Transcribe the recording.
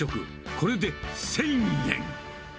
これで１０００円。